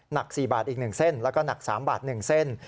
หนัก๔บาทอีก๑เส้นแล้วก็หนัก๓บาท๑เส้น